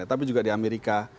tapi juga di amerika